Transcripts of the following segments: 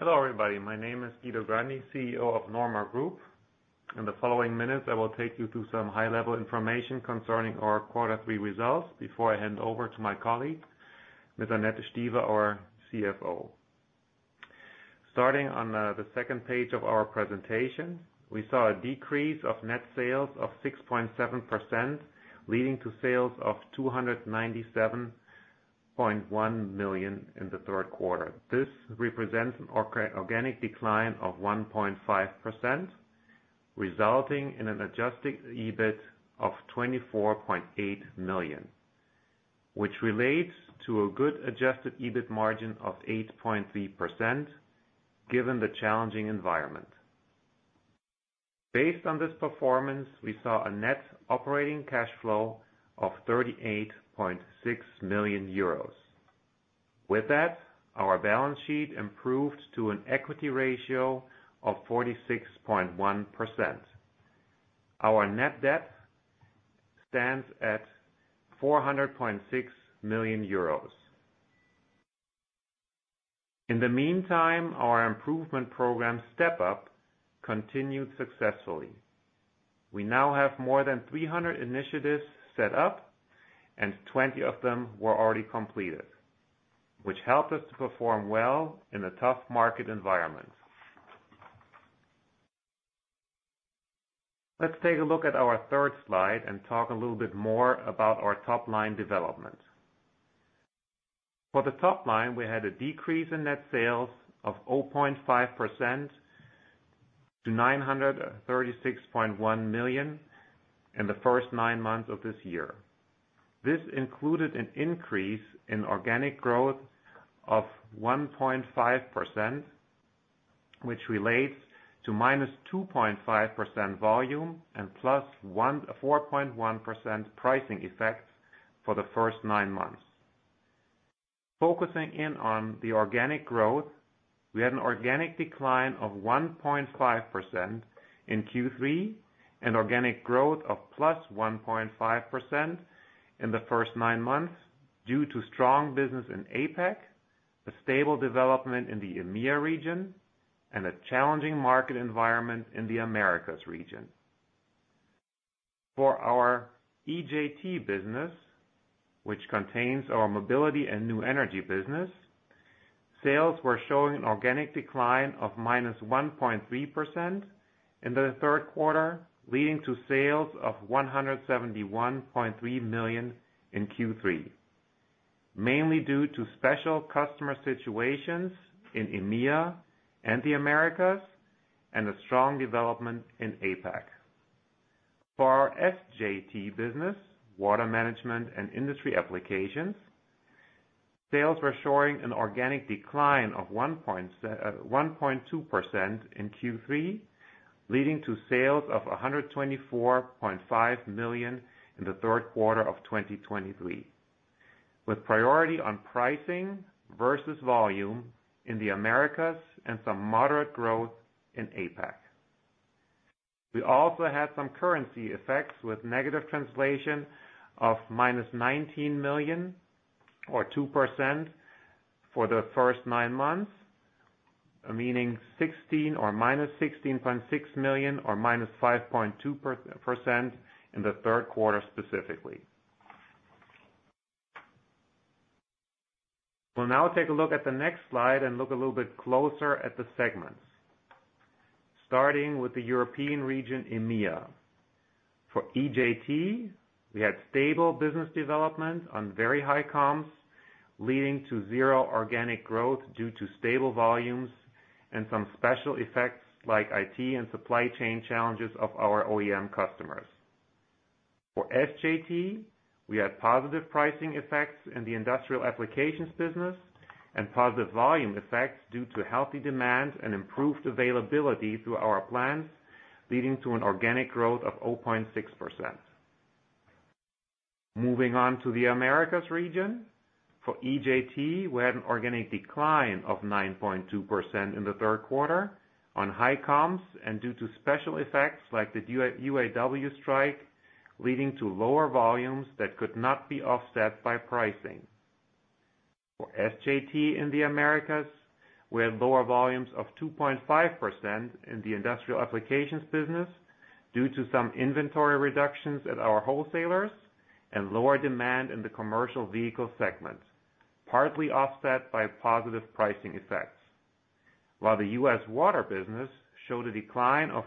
Hello, everybody. My name is Guido Grandi, CEO of Norma Group. In the following minutes, I will take you through some high-level information concerning our quarter three results before I hand over to my colleague, Ms. Annette Stieve, our CFO. Starting on the second page of our presentation, we saw a decrease of net sales of 6.7%, leading to sales of 297.1 million in the third quarter. This represents an organic decline of 1.5%, resulting in an adjusted EBIT of 24.8 million, which relates to a good adjusted EBIT margin of 8.3%, given the challenging environment. Based on this performance, we saw a net operating cash flow of 38.6 million euros. With that, our balance sheet improved to an equity ratio of 46.1%. Our net debt stands at EUR 400.6 million. In the meantime, our improvement program Step Up continued successfully. We now have more than 300 initiatives set up, and 20 of them were already completed, which helped us to perform well in a tough market environment. Let's take a look at our third slide and talk a little bit more about our top-line development. For the top line, we had a decrease in net sales of 0.5% to 936.1 million in the first nine months of this year. This included an increase in organic growth of 1.5%, which relates to -2.5% volume and +4.1% pricing effects for the first nine months. Focusing in on the organic growth, we had an organic decline of 1.5% in Q3 and organic growth of +1.5% in the first nine months due to strong business in APAC, a stable development in the EMEA region, and a challenging market environment in the Americas region. For our EJT business, which contains our mobility and new energy business, sales were showing an organic decline of -1.3% in the third quarter, leading to sales of 171.3 million in Q3, mainly due to special customer situations in EMEA and the Americas, and a strong development in APAC. For our SJT business, Water Management and Industry Applications, sales were showing an organic decline of 1.2% in Q3, leading to sales of 124.5 million in the third quarter of 2023, with priority on pricing versus volume in the Americas and some moderate growth in APAC. We also had some currency effects with negative translation of -19 million or 2% for the first nine months, meaning -16.6 million or -5.2% in the third quarter specifically. We'll now take a look at the next slide and look a little bit closer at the segments, starting with the European region, EMEA. For EJT, we had stable business development on very high comps, leading to zero organic growth due to stable volumes and some special effects like IT and supply chain challenges of our OEM customers. For SJT, we had positive pricing effects in the industrial applications business and positive volume effects due to healthy demand and improved availability through our plants, leading to an organic growth of 0.6%. Moving on to the Americas region. For EJT, we had an organic decline of 9.2% in the third quarter on high comps and due to special effects like the UAW strike, leading to lower volumes that could not be offset by pricing. For SJT in the Americas, we had lower volumes of 2.5% in the industrial applications business due to some inventory reductions at our wholesalers and lower demand in the commercial vehicle segment, partly offset by positive pricing effects. While the US water business showed a decline of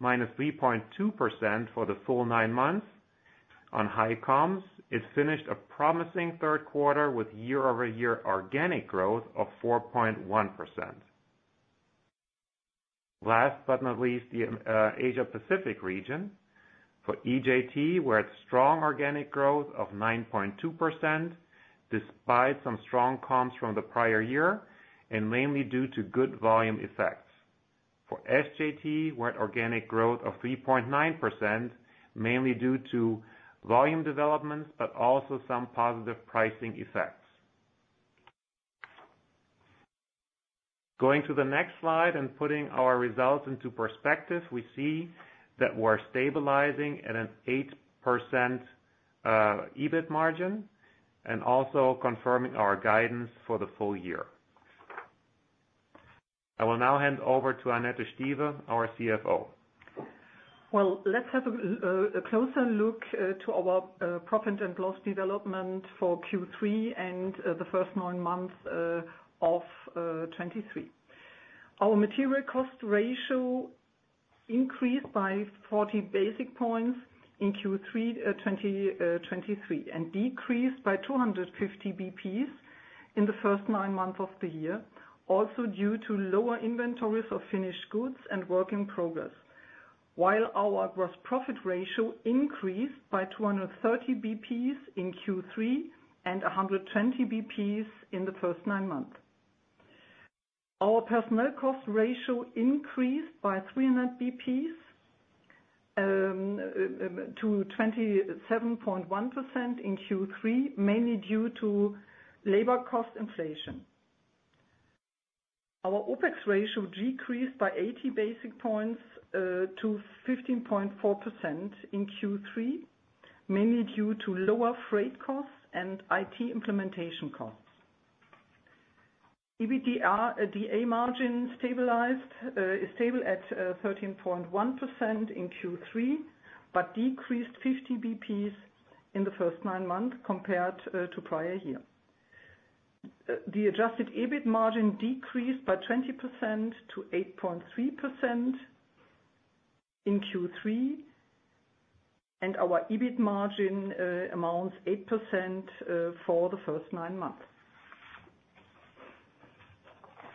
-3.2% for the full nine months on high comps, it finished a promising third quarter with year-over-year organic growth of 4.1%. Last but not least, the Asia Pacific region. For EJT, we had strong organic growth of 9.2%, despite some strong comps from the prior year, and mainly due to good volume effects. For SJT, we had organic growth of 3.9%, mainly due to volume developments, but also some positive pricing effects. Going to the next slide and putting our results into perspective, we see that we're stabilizing at an 8% EBIT margin and also confirming our guidance for the full year. I will now hand over to Annette Stieve, our CFO. Well, let's have a closer look to our profit and loss development for Q3 and the first nine months of 2023. Our material cost ratio increased by 40 basis points in Q3 2023, and decreased by 250 basis points in the first nine months of the year, also due to lower inventories of finished goods and work in progress. While our gross profit ratio increased by 230 basis points in Q3 and 120 basis points in the first nine months. Our personnel cost ratio increased by 300 basis points to 27.1% in Q3, mainly due to labor cost inflation. Our OPEX ratio decreased by 80 basis points to 15.4% in Q3, mainly due to lower freight costs and IT implementation costs. EBITDA, EBITDA margin stabilized, is stable at 13.1% in Q3, but decreased 50 BPs in the first nine months compared to prior year. The adjusted EBIT margin decreased by 20% to 8.3% in Q3, and our EBIT margin amounts 8% for the first nine months.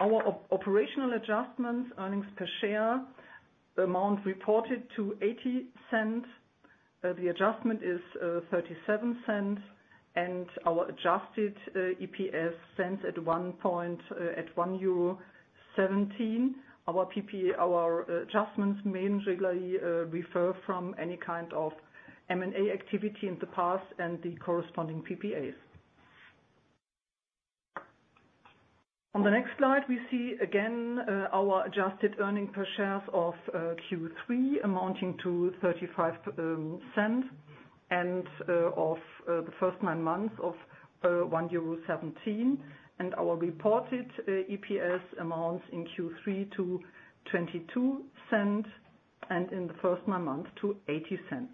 Our operational adjustments earnings per share amount reported to 0.80. The adjustment is 0.37, and our adjusted EPS stands at 1.17 euro. Our PPA, our adjustments mainly refer from any kind of M&A activity in the past and the corresponding PPAs. On the next slide, we see again our adjusted earnings per share of Q3, amounting to 0.35, and of the first nine months of 1.17 euro. Our reported EPS amounts in Q3 to 0.22, and in the first nine months to 0.80.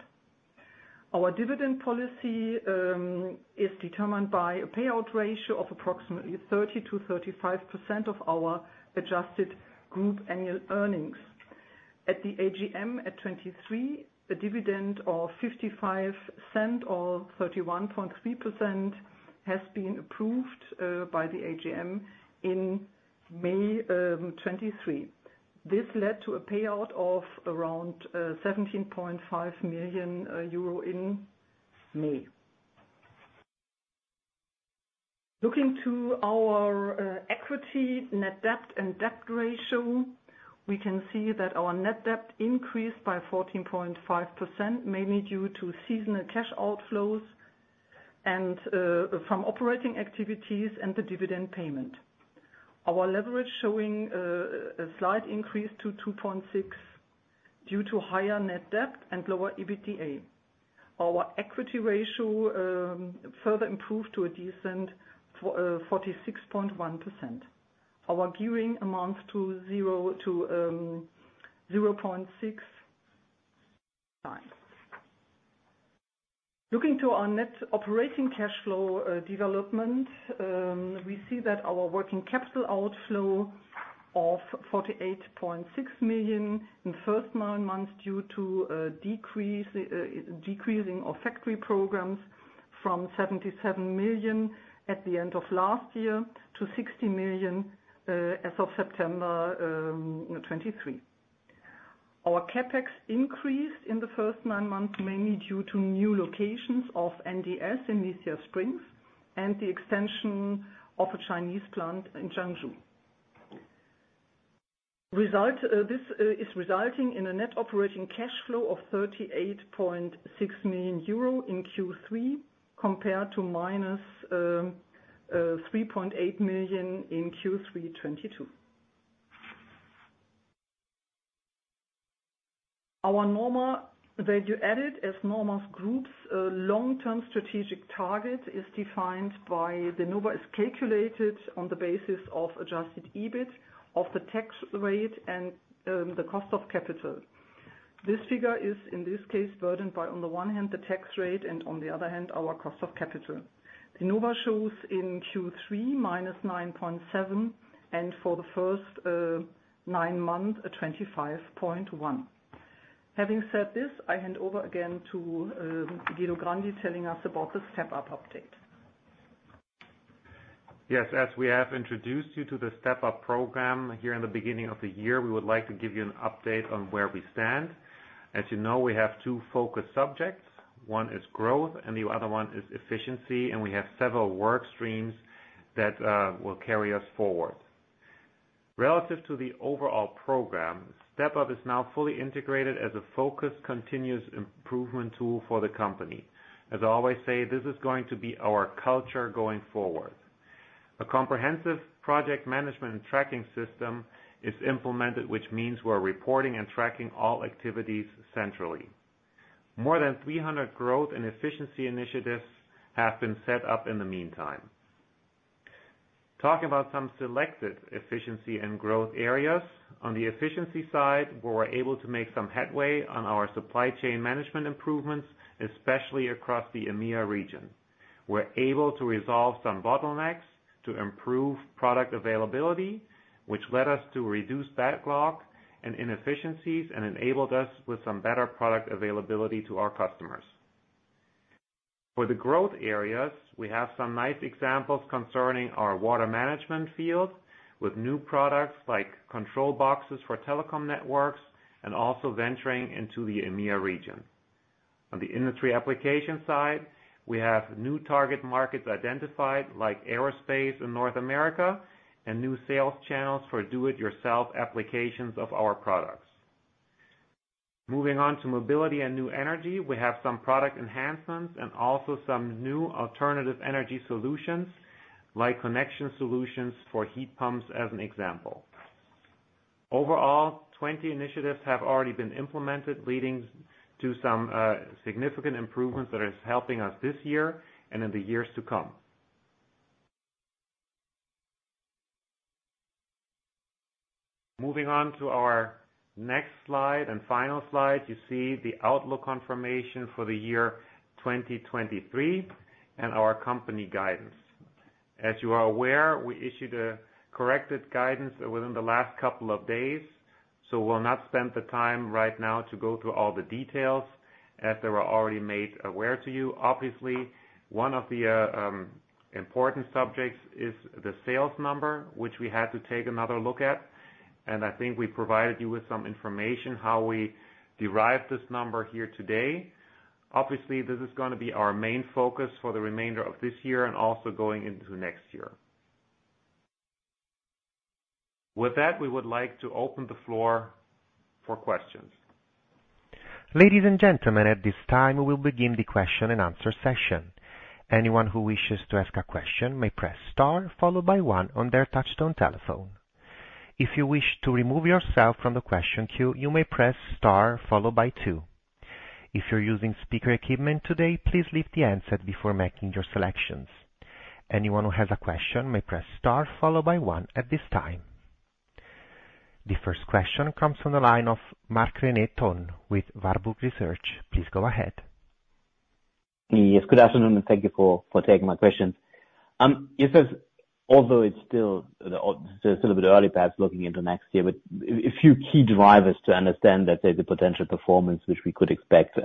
Our dividend policy is determined by a payout ratio of approximately 30%-35% of our adjusted group annual earnings. At the AGM in 2023, a dividend of 0.55, or 31.3%, has been approved by the AGM in May 2023. This led to a payout of around 17.5 million euro in May. Looking to our equity, net debt and debt ratio, we can see that our net debt increased by 14.5%, mainly due to seasonal cash outflows and from operating activities and the dividend payment. Our leverage showing a slight increase to 2.6 due to higher net debt and lower EBITDA. Our equity ratio further improved to 46.1%. Our gearing amounts to 0-0.6 times. Looking to our net operating cash flow development, we see that our working capital outflow of 48.6 million in the first nine months, due to decreasing of factoring programs from 77 million at the end of last year to 60 million as of September 2023. Our CapEx increased in the first nine months, mainly due to new locations of NDS in Lithia Springs and the extension of a Chinese plant in Zhengzhou. This is resulting in a net operating cash flow of 38.6 million euro in Q3, compared to -3.8 million in Q3 2022. Our NORMA value added as NORMA Group's long-term strategic target is defined by the NOVA, is calculated on the basis of adjusted EBIT of the tax rate and the cost of capital. This figure is, in this case, burdened by, on the one hand, the tax rate, and on the other hand, our cost of capital. The NOVA shows in Q3 -9.7, and for the first nine months, a 25.1. Having said this, I hand over again to Guido Grandi, telling us about the Step Up update. Yes, as we have introduced you to the Step Up program here in the beginning of the year, we would like to give you an update on where we stand. As you know, we have two focus subjects. One is growth and the other one is efficiency, and we have several work streams that will carry us forward. Relative to the overall program, Step Up is now fully integrated as a focused, continuous improvement tool for the company. As I always say, this is going to be our culture going forward. A comprehensive project management and tracking system is implemented, which means we're reporting and tracking all activities centrally. More than 300 growth and efficiency initiatives have been set up in the meantime. Talking about some selected efficiency and growth areas, on the efficiency side, we were able to make some headway on our supply chain management improvements, especially across the EMEA region. We're able to resolve some bottlenecks to improve product availability, which led us to reduce backlog and inefficiencies and enabled us with some better product availability to our customers. For the growth areas, we have some nice examples concerning our water management field, with new products like control boxes for telecom networks and also venturing into the EMEA region. On the industry application side, we have new target markets identified, like aerospace in North America, and new sales channels for do-it-yourself applications of our products. Moving on to mobility and new energy, we have some product enhancements and also some new alternative energy solutions, like connection solutions for heat pumps, as an example. Overall, 20 initiatives have already been implemented, leading to some significant improvements that is helping us this year and in the years to come. Moving on to our next slide and final slide, you see the outlook confirmation for the year 2023 and our company guidance. As you are aware, we issued a corrected guidance within the last couple of days, so we'll not spend the time right now to go through all the details as they were already made aware to you. Obviously, one of the important subjects is the sales number, which we had to take another look at, and I think we provided you with some information, how we derived this number here today. Obviously, this is gonna be our main focus for the remainder of this year and also going into next year. With that, we would like to open the floor for questions. Ladies and gentlemen, at this time, we will begin the question and answer session. Anyone who wishes to ask a question may press star, followed by one on their touchtone telephone. If you wish to remove yourself from the question queue, you may press star followed by two. If you're using speaker equipment today, please leave the answer before making your selections. Anyone who has a question may press star followed by one at this time. The first question comes from the line of Marc-René Tonn with Warburg Research. Please go ahead. Yes, good afternoon, and thank you for taking my questions. You said although it's still a bit early, perhaps looking into next year, but a few key drivers to understand, let's say, the potential performance which we could expect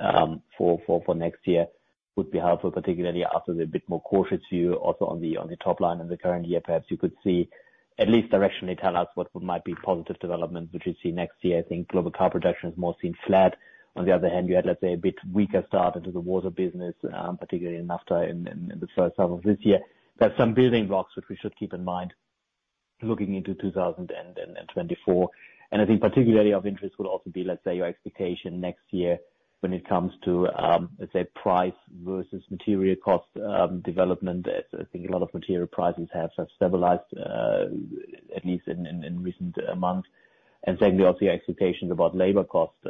for next year would be helpful, particularly after a bit more cautious view also on the top line in the current year. Perhaps you could, at least directionally, tell us what might be positive development which we see next year. I think global car production is more seen flat. On the other hand, you had, let's say, a bit weaker start into the water business, particularly in the first half of this year. There are some building blocks which we should keep in mind looking into 2024. I think particularly of interest would also be, let's say, your expectation next year when it comes to, let's say, price versus material cost development. I think a lot of material prices have stabilized, at least in recent months. And secondly, also your expectations about labor costs,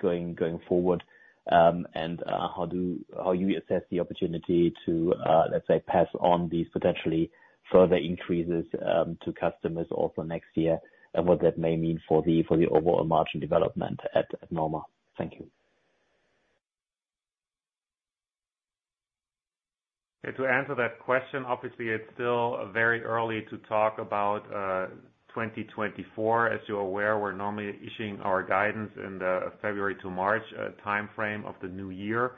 going forward, and how you assess the opportunity to, let's say, pass on these potentially further increases to customers also next year, and what that may mean for the overall margin development at NORMA. Thank you. To answer that question, obviously, it's still very early to talk about 2024. As you're aware, we're normally issuing our guidance in the February to March timeframe of the new year.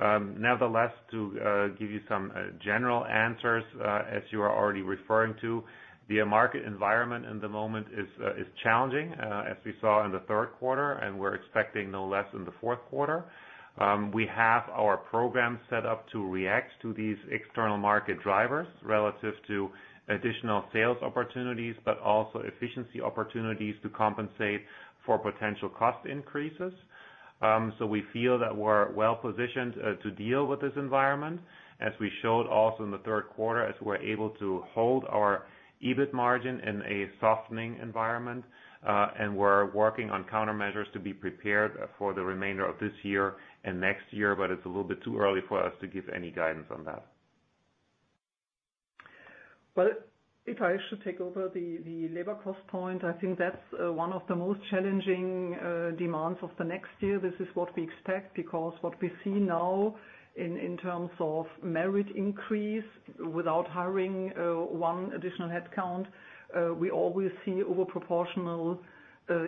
Nevertheless, to give you some general answers, as you are already referring to, the market environment in the moment is challenging, as we saw in the third quarter, and we're expecting no less in the fourth quarter. We have our program set up to react to these external market drivers relative to additional sales opportunities, but also efficiency opportunities to compensate for potential cost increases. So we feel that we're well positioned to deal with this environment, as we showed also in the third quarter, as we're able to hold our EBIT margin in a softening environment. We're working on countermeasures to be prepared for the remainder of this year and next year, but it's a little bit too early for us to give any guidance on that. Well, if I should take over the labor cost point, I think that's one of the most challenging demands of the next year. This is what we expect, because what we see now in terms of merit increase, without hiring one additional headcount, we always see over proportional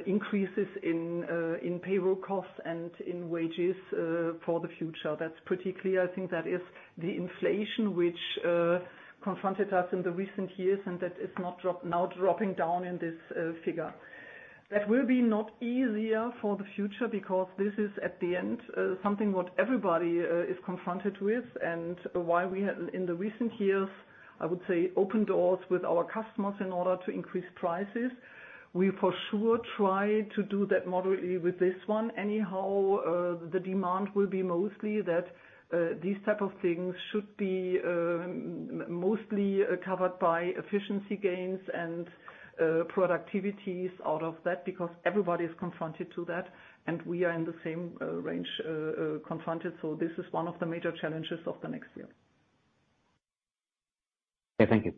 increases in payroll costs and in wages for the future. That's pretty clear. I think that is the inflation which confronted us in the recent years, and that is not dropping now in this figure. That will be not easier for the future because this is, at the end, something what everybody is confronted with. And while we have, in the recent years, I would say, opened doors with our customers in order to increase prices, we for sure try to do that moderately with this one. Anyhow, the demand will be mostly that these type of things should be mostly covered by efficiency gains and productivities out of that, because everybody is confronted to that, and we are in the same range confronted. So this is one of the major challenges of the next year. Okay, thank you.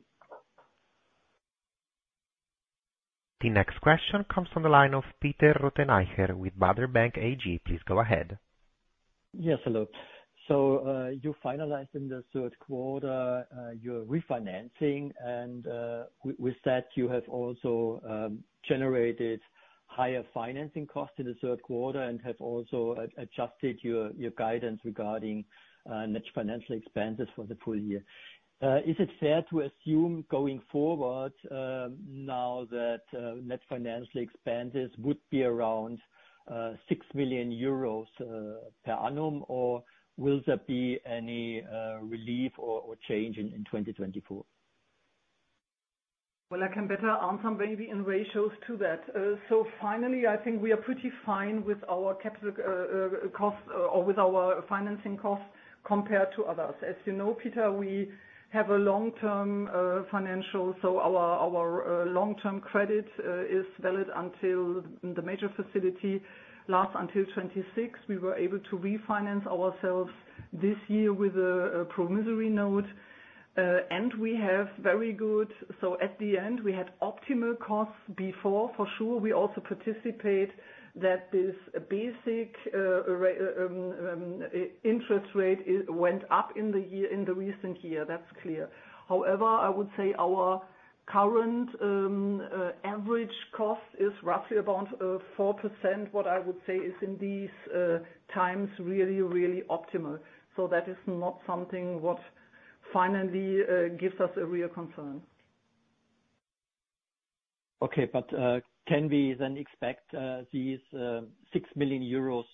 The next question comes from the line of Peter Rothenaicher with Baader Bank AG. Please go ahead. Yes, hello. So, you finalized in the third quarter your refinancing, and with that, you have also generated higher financing costs in the third quarter and have also adjusted your guidance regarding net financial expenses for the full year. Is it fair to assume going forward, now that net financial expenses would be around 6 million euros per annum, or will there be any relief or change in 2024? Well, I can better answer maybe in ratios to that. So finally, I think we are pretty fine with our capital cost or with our financing costs compared to others. As you know, Peter, we have a long-term financial, so our long-term credit is valid until the major facility lasts until 2026. We were able to refinance ourselves this year with a promissory note, and we have very good. So at the end, we had optimal costs before. For sure, we also participate that this basic interest rate went up in the year, in the recent year. That's clear. However, I would say our current average cost is roughly about 4%. What I would say is in these times, really, really optimal. That is not something what finally gives us a real concern. Okay. But can we then expect these 6 million euros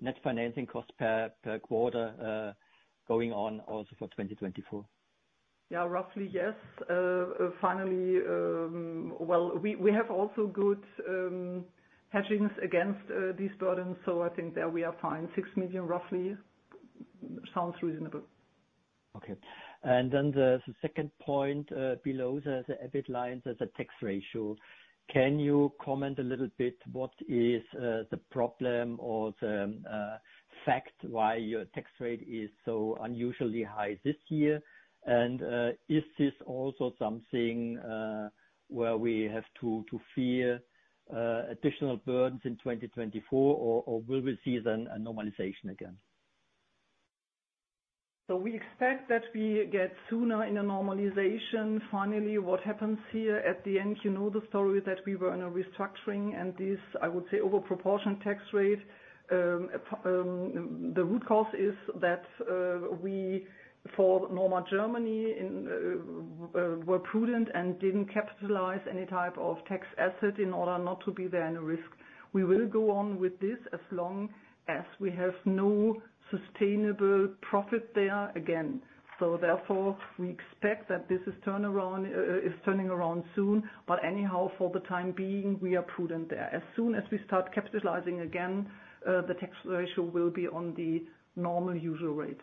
net financing cost per quarter going on also for 2024? Yeah, roughly, yes. Finally, well, we have also good hedgings against these burdens, so I think there we are fine. 6 million roughly sounds reasonable. Okay. And then the second point below the EBIT line, there's a tax ratio. Can you comment a little bit, what is the problem or the fact why your tax rate is so unusually high this year? And is this also something where we have to fear additional burdens in 2024, or will we see then a normalization again? So we expect that we get sooner in a normalization. Finally, what happens here at the end, you know the story, that we were in a restructuring and this, I would say, over proportion tax rate. The root cause is that, we, for NORMA Germany, were prudent and didn't capitalize any type of tax asset in order not to be there any risk. We will go on with this as long as we have no sustainable profit there again. So therefore, we expect that this is turn around, is turning around soon. But anyhow, for the time being, we are prudent there. As soon as we start capitalizing again, the tax ratio will be on the normal usual rate.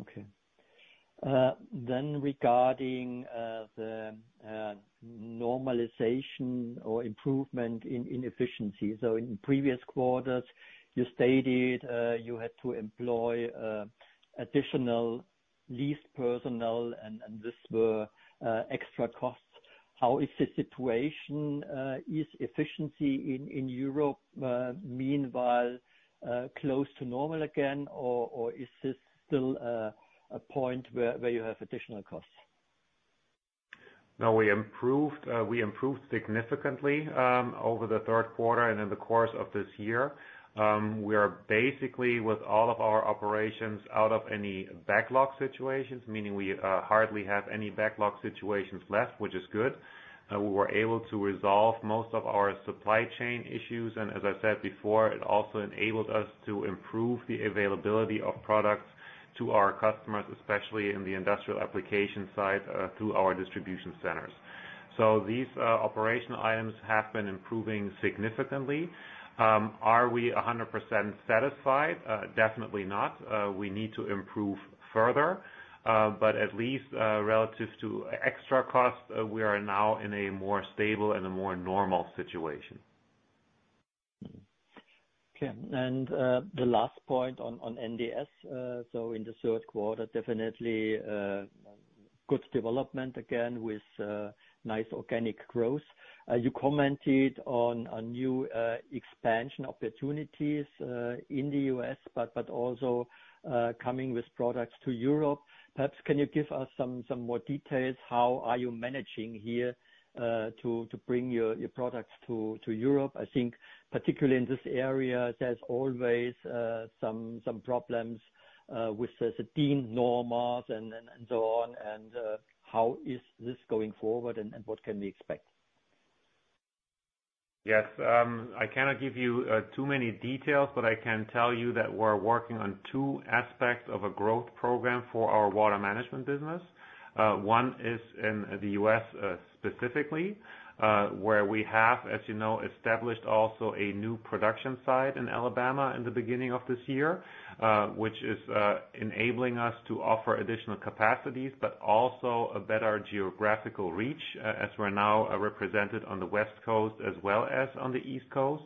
Okay. Then regarding the normalization or improvement in inefficiency. So in previous quarters, you stated you had to employ additional lease personnel, and this were extra costs. How is the situation? Is efficiency in Europe meanwhile close to normal again, or is this still a point where you have additional costs? No, we improved, we improved significantly over the third quarter and in the course of this year. We are basically with all of our operations out of any backlog situations, meaning we hardly have any backlog situations left, which is good. We were able to resolve most of our supply chain issues, and as I said before, it also enabled us to improve the availability of products to our customers, especially in the industrial application side to our distribution centers. So these operational items have been improving significantly. Are we 100% satisfied? Definitely not. We need to improve further, but at least relative to extra costs, we are now in a more stable and a more normal situation. Okay. And, the last point on NDS, so in the third quarter, definitely, good development again with nice organic growth. You commented on a new expansion opportunities in the U.S., but also coming with products to Europe. Perhaps can you give us some more details? How are you managing here to bring your products to Europe? I think particularly in this area, there's always some problems with the deemed normals and so on. And, how is this going forward, and what can we expect? Yes, I cannot give you too many details, but I can tell you that we're working on two aspects of a growth program for our water management business. One is in the U.S., specifically, where we have, as you know, established also a new production site in Alabama in the beginning of this year, which is enabling us to offer additional capacities, but also a better geographical reach, as we're now represented on the West Coast as well as on the East Coast.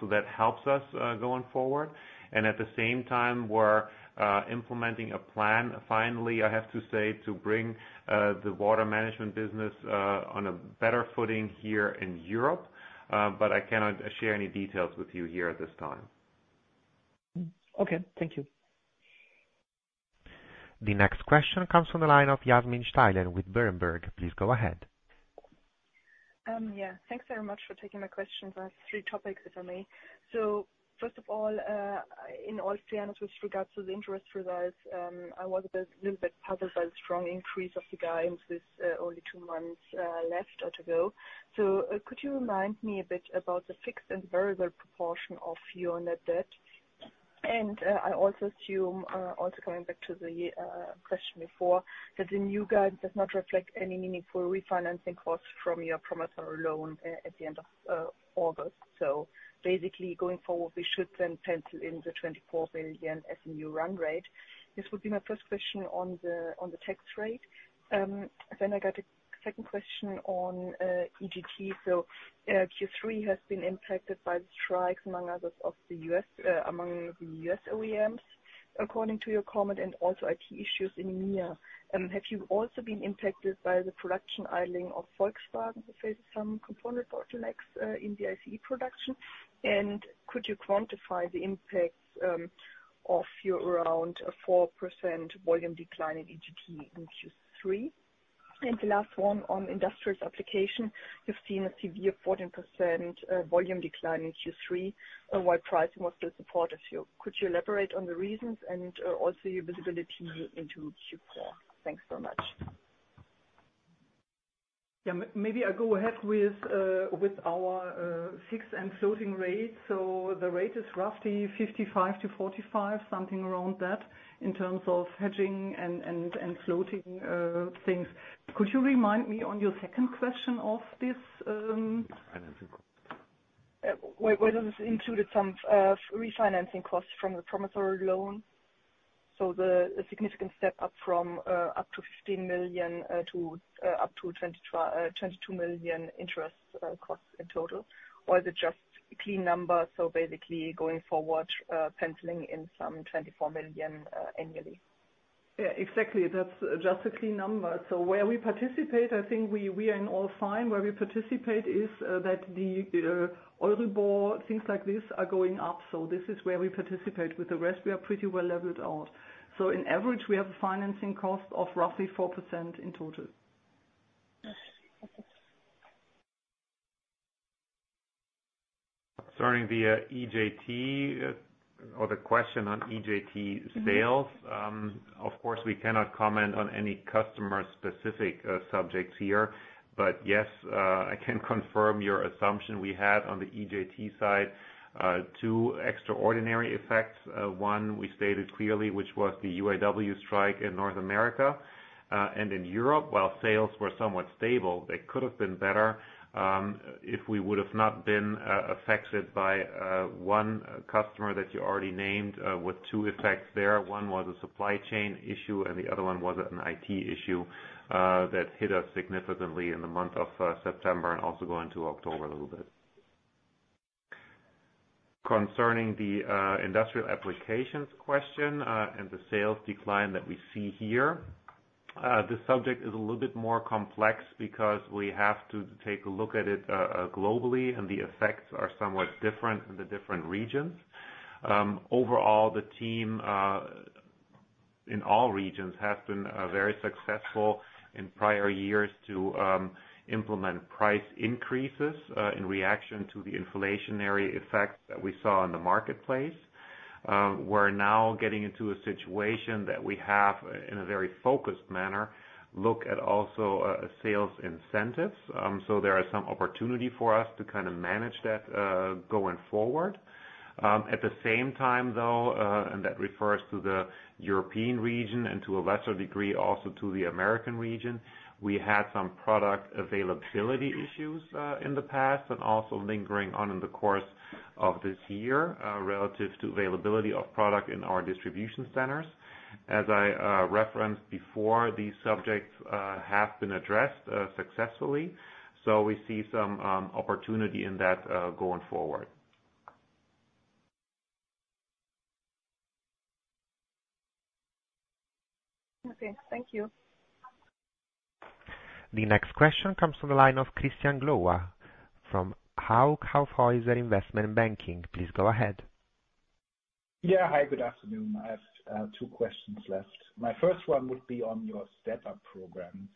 So that helps us going forward. And at the same time, we're implementing a plan, finally, I have to say, to bring the water management business on a better footing here in Europe. But I cannot share any details with you here at this time. Okay, thank you. The next question comes from the line of Yasmin Steilen with Berenberg. Please go ahead. Yeah, thanks very much for taking my questions. I have three topics, if I may. So first of all, in all fairness, with regards to the interim results, I was a little bit puzzled by the strong increase of the guidance with only two months left to go. So, could you remind me a bit about the fixed and variable proportion of your net debt? And, I also assume, also coming back to the question before, that the new guide does not reflect any meaningful refinancing costs from your promissory loan at the end of August. So basically, going forward, we should then pencil in the 24 million as a new run rate. This would be my first question on the tax rate. Then I got a second question on EBIT. So, Q3 has been impacted by the strikes, among others, of the U.S., among the U.S. OEMs, according to your comment, and also IT issues in EMEA. Have you also been impacted by the production idling of Volkswagen, who faces some component bottlenecks, in the ICE production? And could you quantify the impact, of your around a 4% volume decline in EJT in Q3? And the last one on industrial applications, you've seen a severe 14% volume decline in Q3, while pricing was still supportive. Could you elaborate on the reasons and also your visibility into Q4? Thanks so much. Yeah, maybe I go ahead with our fixed and floating rates. So the rate is roughly 55-45, something around that, in terms of hedging and floating things. Could you remind me on your second question of this? Financing? Whether this included some refinancing costs from the promissory loan? So, a significant step up from up to 15 million to up to 22 million interest costs in total, or is it just clean numbers? So basically, going forward, penciling in some 24 million annually. Yeah, exactly. That's just a clean number. So where we participate, I think we are all fine. Where we participate is, that the order board, things like this, are going up, so this is where we participate. With the rest, we are pretty well leveled out. So on average, we have a financing cost of roughly 4% in total. Yes. Thank you. Starting the EJT or the question on EJT sales. Of course, we cannot comment on any customer-specific subjects here, but yes, I can confirm your assumption. We had, on the EJT side, two extraordinary effects. One, we stated clearly, which was the UAW strike in North America. And in Europe, while sales were somewhat stable, they could have been better, if we would have not been affected by one customer that you already named, with two effects there. One was a supply chain issue, and the other one was an IT issue that hit us significantly in the month of September and also go into October a little bit. Concerning the industrial applications question and the sales decline that we see here, the subject is a little bit more complex because we have to take a look at it globally, and the effects are somewhat different in the different regions. Overall, the team in all regions has been very successful in prior years to implement price increases in reaction to the inflationary effects that we saw in the marketplace. We're now getting into a situation that we have, in a very focused manner, look at also sales incentives. So there are some opportunity for us to kind of manage that going forward. At the same time, though, and that refers to the European region and to a lesser degree, also to the American region, we had some product availability issues, in the past and also lingering on in the course of this year, relative to availability of product in our distribution centers. As I referenced before, these subjects have been addressed successfully, so we see some opportunity in that, going forward. Okay, thank you. The next question comes from the line of Christian Glowa, from Hauck Aufhäuser. Please go ahead. Yeah. Hi, good afternoon. I have two questions left. My first one would be on your Step Up program.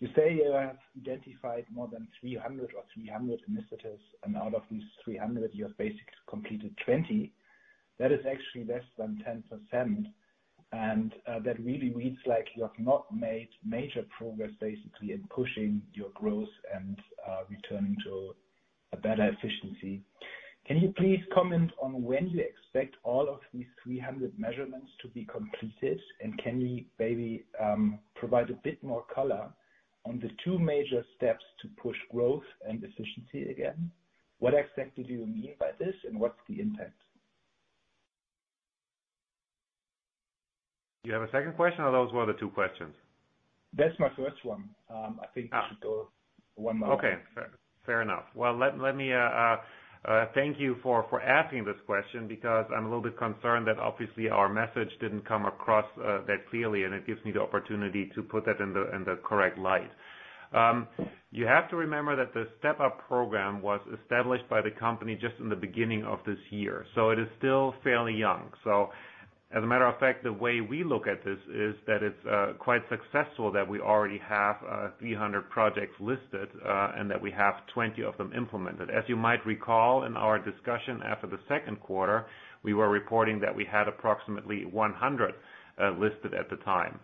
You say you have identified more than 300 or 300 initiatives, and out of these 300, you have basically completed 20. That is actually less than 10%, and that really reads like you have not made major progress, basically, in pushing your growth and returning to a better efficiency. Can you please comment on when you expect all of these 300 measurements to be completed? And can you maybe provide a bit more color on the two major steps to push growth and efficiency again? What exactly do you mean by this, and what's the impact? You have a second question, or those were the two questions? That's my first one. I think- Ah. We should go one by one. Okay, fair, fair enough. Well, let me thank you for asking this question, because I'm a little bit concerned that obviously our message didn't come across that clearly, and it gives me the opportunity to put that in the correct light. You have to remember that the Step Up program was established by the company just in the beginning of this year, so it is still fairly young. So as a matter of fact, the way we look at this is that it's quite successful, that we already have 300 projects listed, and that we have 20 of them implemented. As you might recall, in our discussion after the second quarter, we were reporting that we had approximately 100 listed at the time.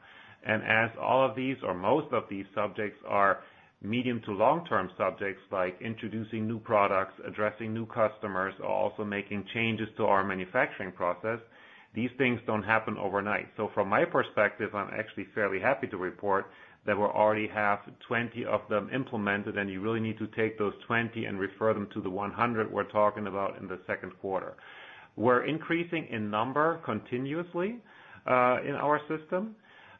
As all of these or most of these subjects are medium to long-term subjects, like introducing new products, addressing new customers, or also making changes to our manufacturing process, these things don't happen overnight. From my perspective, I'm actually fairly happy to report that we already have 20 of them implemented, and you really need to take those 20 and refer them to the 100 we're talking about in the second quarter. We're increasing in number continuously in our system,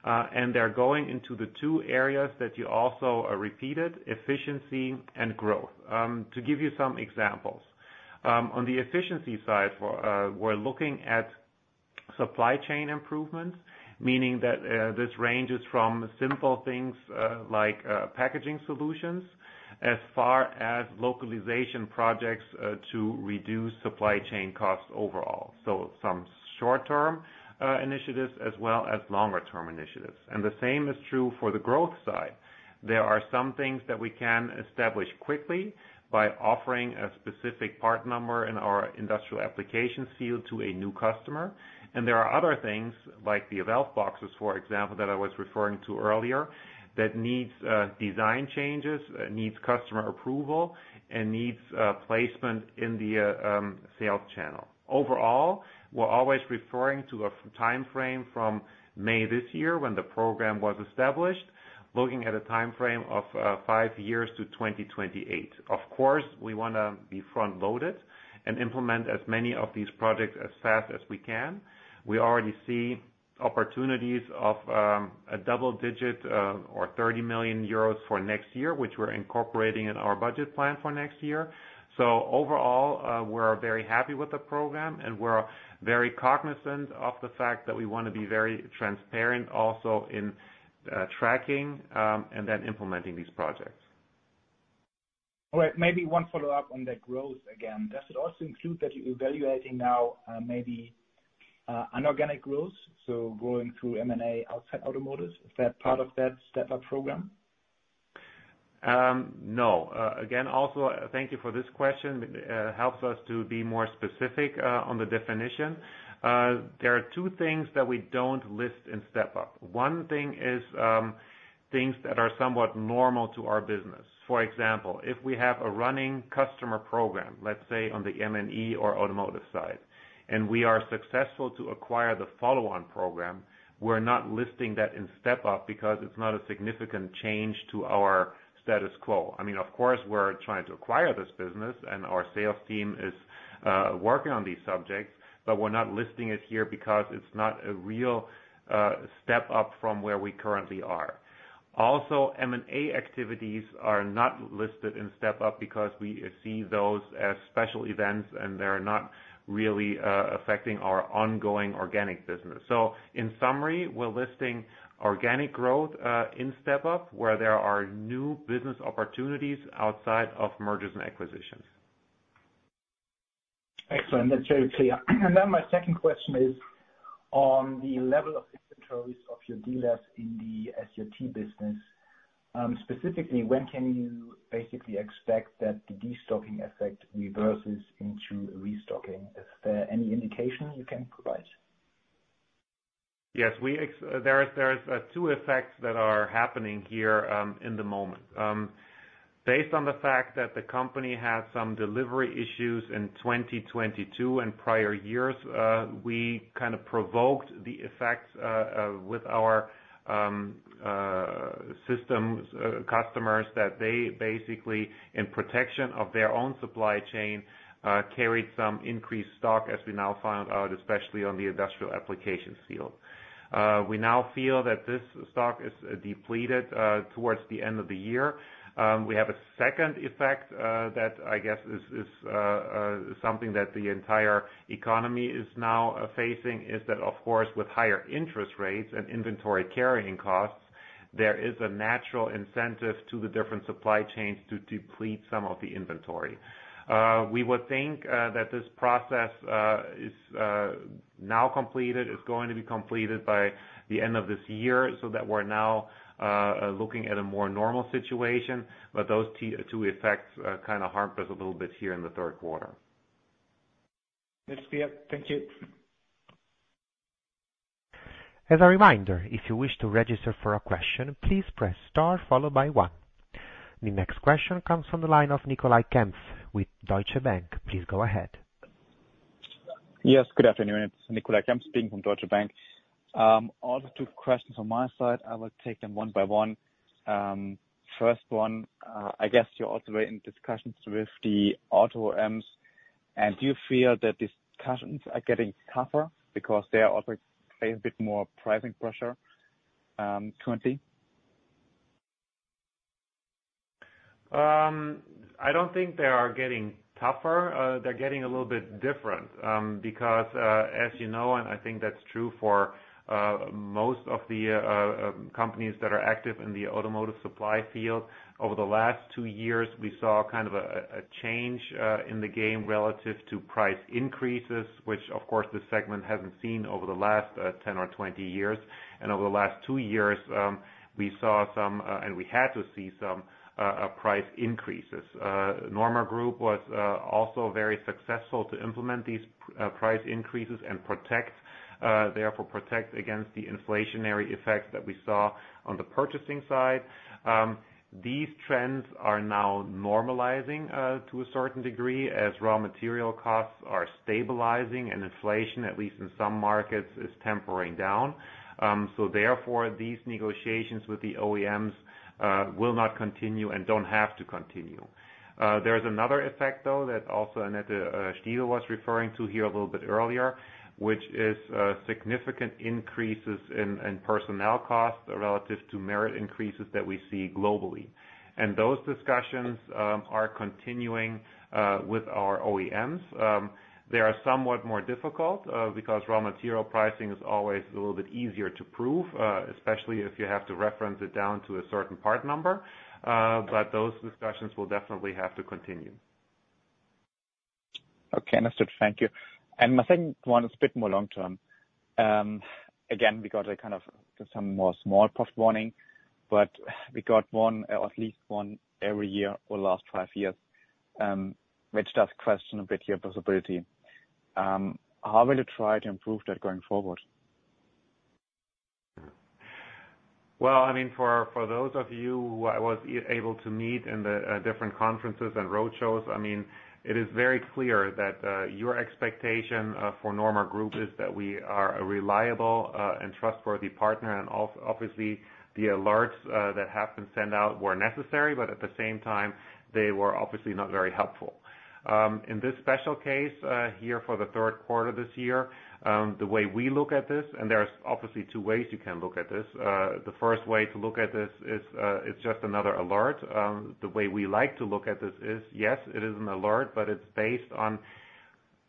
and they're going into the two areas that you also repeated: efficiency and growth. To give you some examples, on the efficiency side, we're looking at supply chain improvements, meaning that this ranges from simple things like packaging solutions as far as localization projects to reduce supply chain costs overall. So some short-term initiatives as well as longer term initiatives. And the same is true for the growth side. There are some things that we can establish quickly by offering a specific part number in our industrial applications field to a new customer. And there are other things, like the valve boxes, for example, that I was referring to earlier, that needs design changes, needs customer approval, and needs placement in the sales channel. Overall, we're always referring to a timeframe from May this year when the program was established, looking at a timeframe of five years to 2028. Of course, we wanna be front loaded and implement as many of these projects as fast as we can. We already see opportunities of a double-digit or 30 million euros for next year, which we're incorporating in our budget plan for next year. So overall, we're very happy with the program, and we're very cognizant of the fact that we want to be very transparent also in tracking and then implementing these projects. All right, maybe one follow-up on that growth again. Does it also include that you're evaluating now, maybe, inorganic growth, so growing through M&A outside automotive? Is that part of that Step Up program? No. Again, also, thank you for this question. It helps us to be more specific on the definition. There are two things that we don't list in Step Up. One thing is things that are somewhat normal to our business. For example, if we have a running customer program, let's say, on the M&E or automotive side, and we are successful to acquire the follow-on program, we're not listing that in Step Up because it's not a significant change to our status quo. I mean, of course, we're trying to acquire this business, and our sales team is working on these subjects, but we're not listing it here because it's not a real step up from where we currently are. M&A activities are not listed in Step Up because we see those as special events, and they're not really affecting our ongoing organic business. In summary, we're listing organic growth in Step Up, where there are new business opportunities outside of mergers and acquisitions. Excellent. That's very clear. And then my second question is on the level of inventories of your dealers in the SJT business. Specifically, when can you basically expect that the destocking effect reverses into restocking? Is there any indication you can provide? Yes, there is two effects that are happening here, in the moment. Based on the fact that the company had some delivery issues in 2022 and prior years, we kind of provoked the effects with our systems customers that they basically, in protection of their own supply chain, carried some increased stock, as we now found out, especially on the industrial applications field. We now feel that this stock is depleted towards the end of the year. We have a second effect that I guess is something that the entire economy is now facing, is that of course, with higher interest rates and inventory carrying costs, there is a natural incentive to the different supply chains to deplete some of the inventory. We would think that this process is now completed. It's going to be completed by the end of this year, so that we're now looking at a more normal situation. But those two effects kind of harmed us a little bit here in the third quarter. That's clear. Thank you. As a reminder, if you wish to register for a question, please press Star followed by one. The next question comes from the line of Nicolai Kempf with Deutsche Bank. Please go ahead. Yes, good afternoon. It's Nicolai Kempf speaking from Deutsche Bank. I have two questions on my side. I will take them one by one. First one, I guess you're also in discussions with the auto OEMs, and do you feel that discussions are getting tougher because there is also a bit more pricing pressure, currently? I don't think they are getting tougher, they're getting a little bit different, because, as you know, and I think that's true for, most of the, companies that are active in the automotive supply field. Over the last two years, we saw kind of a change, in the game relative to price increases, which of course, the segment hasn't seen over the last, 10 or 20 years. And over the last two years, we saw some, and we had to see some, price increases. Norma Group was, also very successful to implement these price increases and protect, therefore protect against the inflationary effects that we saw on the purchasing side. These trends are now normalizing to a certain degree as raw material costs are stabilizing, and inflation, at least in some markets, is tempering down. So therefore, these negotiations with the OEMs will not continue and don't have to continue. There's another effect, though, that also Annette Stieve was referring to here a little bit earlier, which is significant increases in personnel costs relative to merit increases that we see globally. And those discussions are continuing with our OEMs. They are somewhat more difficult because raw material pricing is always a little bit easier to prove, especially if you have to reference it down to a certain part number. But those discussions will definitely have to continue. Okay, understood. Thank you. And my second one is a bit more long-term. Again, because I kind of give some more small profit warning, but we got one, at least one every year for the last five years, which does question a bit your visibility. How will you try to improve that going forward? Well, I mean, for those of you who I was able to meet in the different conferences and roadshows, I mean, it is very clear that your expectation for Norma Group is that we are a reliable and trustworthy partner. And obviously, the alerts that have been sent out were necessary, but at the same time, they were obviously not very helpful. In this special case here for the third quarter this year, the way we look at this, and there's obviously two ways you can look at this. The first way to look at this is, it's just another alert. The way we like to look at this is, yes, it is an alert, but it's based on,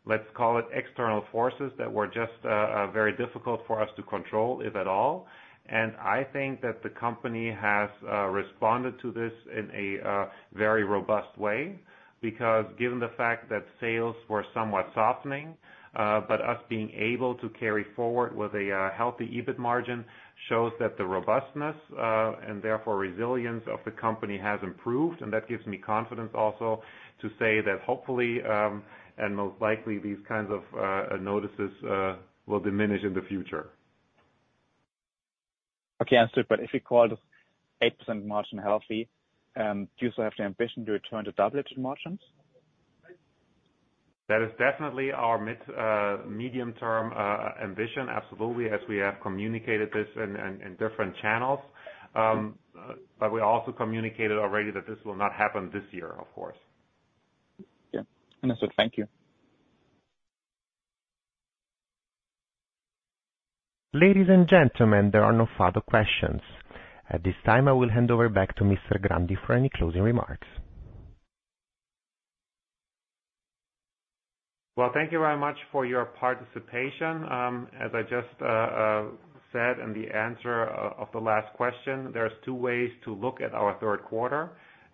let's call it, external forces that were just very difficult for us to control, if at all. I think that the company has responded to this in a very robust way, because given the fact that sales were somewhat softening, but us being able to carry forward with a healthy EBIT margin, shows that the robustness and therefore resilience of the company has improved. That gives me confidence also to say that hopefully, and most likely, these kinds of notices will diminish in the future. Okay, understood. But if you called EPS and margin healthy, do you still have the ambition to return to double EPS margins? That is definitely our medium-term ambition, absolutely, as we have communicated this in different channels. But we also communicated already that this will not happen this year, of course. Yeah. Understood. Thank you. Ladies and gentlemen, there are no further questions. At this time, I will hand over back to Mr. Grandi for any closing remarks. Well, thank you very much for your participation. As I just said in the answer of the last question, there's two ways to look at our third quarter.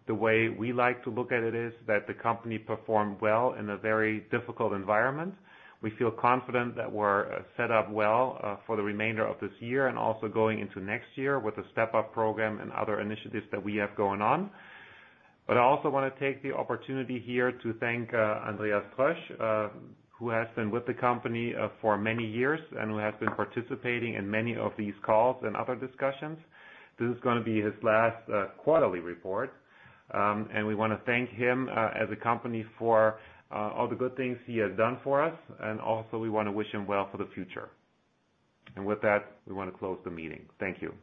The way we like to look at it is that the company performed well in a very difficult environment. We feel confident that we're set up well for the remainder of this year and also going into next year with the Step Up program and other initiatives that we have going on. But I also want to take the opportunity here to thank Andreas Trösch, who has been with the company for many years, and who has been participating in many of these calls and other discussions. This is gonna be his last quarterly report, and we want to thank him as a company for all the good things he has done for us, and also we want to wish him well for the future. With that, we want to close the meeting. Thank you.